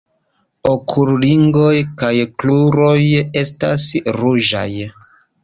Okulringo kaj kruroj estas ruĝaj.